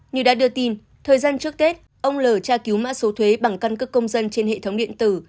như đã đưa tin thời gian trước tết ông l tra cứu mã số thuế bằng căn cước công dân trên hệ thống điện tử